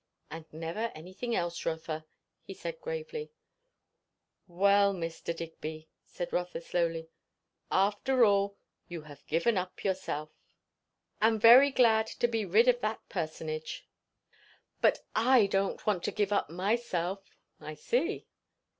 "And never anything else, Rotha," he said gravely. "Well, Mr. Digby," said Rotha slowly, "after all, you have given up yourself." "And very glad to be rid of that personage." "But I don't want to give up myself." "I see."